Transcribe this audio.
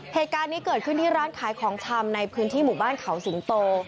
เหตุการณ์นี้เกิดขึ้นที่ร้านขายของชำในพื้นที่หมู่บ้านเขาสิงโต